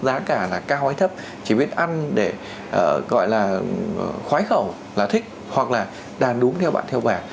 chỉ biết giá cả là cao hay thấp chỉ biết ăn để gọi là khoái khẩu là thích hoặc là đang đúng theo bạn theo bản